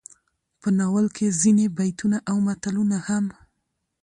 په ناول کې ځينې بيتونه او متلونه هم